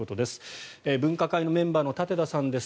分科会のメンバーの舘田さんです。